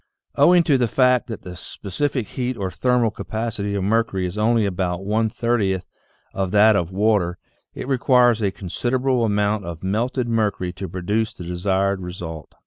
Owing to the fact that the specific heat or thermal ca pacity of mercury is only about one thirtieth of that of water, it requires a considerable amount of melted mercury to produce the desired result.